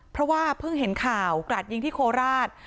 เพราะว่าเพิ่งเห็นข่าวกราดยิงที่โคราช